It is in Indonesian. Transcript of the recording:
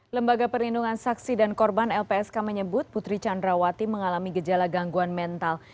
lembaga perlindungan saksi dan korban lpsk menyebut putri candrawati mengalami gejala gangguan mental